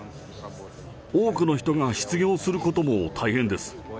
多くの人が失業することも大変です。